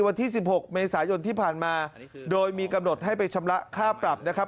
วันที่๑๖เมษายนที่ผ่านมาโดยมีกำหนดให้ไปชำระค่าปรับนะครับ